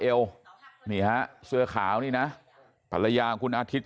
พวกมันกลับมาเมื่อเวลาที่สุดพวกมันกลับมาเมื่อเวลาที่สุด